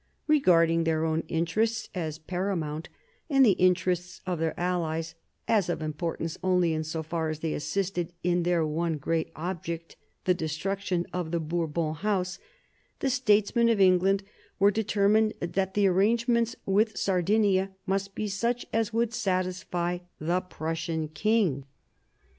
Regarding their own interests as paramount, and the interests of their allies as of importance only in so far as they assisted in their one great object, the destruction of the Bourbon House, the statesmen of England were determined that the arrangements with Sardinia must be such as would satisfy the Prussian king.